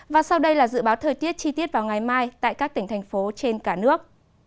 và sau đây là dự báo thời tiết chi tiết vào ngày mai tại các tỉnh thành phố trên cả nước